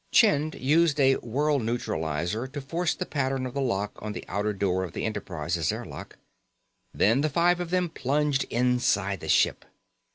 Chind used a whorl neutralizer to force the pattern of the lock on the outer door of the Enterprise's airlock. Then the five of them plunged inside the ship.